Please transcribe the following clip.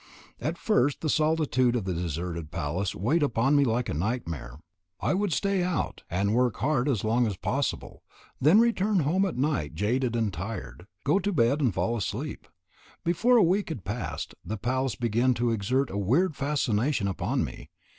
At first the solitude of the deserted palace weighed upon me like a nightmare. I would stay out, and work hard as long as possible, then return home at night jaded and tired, go to bed and fall asleep. Before a week had passed, the place began to exert a weird fascination upon me.